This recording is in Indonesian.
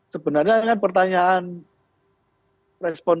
sebenarnya kan pertanyaan respon ketum itu kan merespon